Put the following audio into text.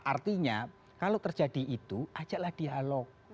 artinya kalau terjadi itu ajaklah dialog